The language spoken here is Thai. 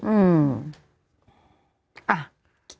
อืม